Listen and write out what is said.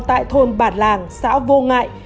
tại thôn bản làng xã vô ngại